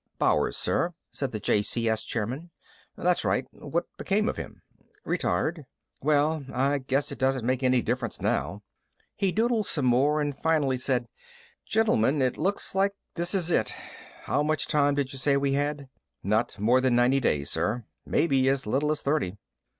"Bowers, sir," said the JCS chairman. "That's right. What became of him?" "Retired." "Well, I guess it doesn't make any difference now." He doodled some more and finally said, "Gentlemen, it looks like this is it. How much time did you say we had?" "Not more than ninety days, sir. Maybe as little as thirty."